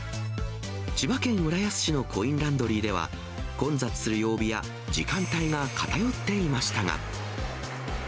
千葉県浦安市のコインランドリーでは、混雑する曜日や時間帯が偏っていましたが。